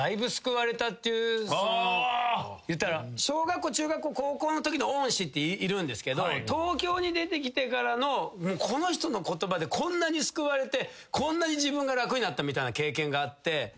小学校中学校高校のときの恩師っているんですけど東京に出てきてからのこの人の言葉でこんなに救われてこんなに自分が楽になったみたいな経験があって。